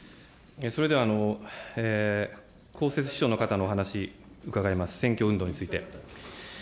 それでは公設秘書の方のお話、伺います、選挙運動について。